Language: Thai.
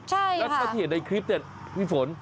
และฉันเห็นในคลิปเนี่ยวิฝน